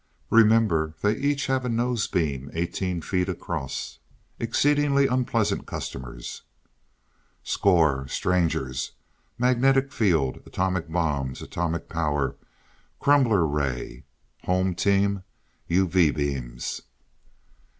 Remember, they each have a nose beam eighteen feet across. Exceedingly unpleasant customers." "Score: Strangers; magnetic field, atomic bombs, atomic power, crumbler ray. Home team; UV beams."